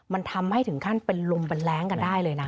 มันทำให้ถึงขั้นเป็นลมเป็นแรงกันได้เลยนะ